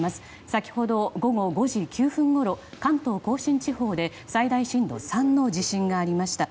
先ほど、午後５時９分ごろ関東甲信地方で最大震度３の地震がありました。